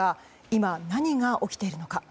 今、何が起きているのか。